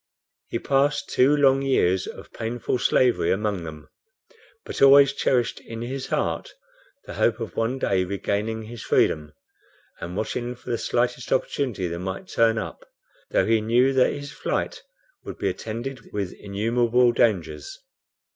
He passed two long years of painful slavery among them, but always cherished in his heart the hope of one day regaining his freedom, and watching for the slightest opportunity that might turn up, though he knew that his flight would be attended with innumerable dangers.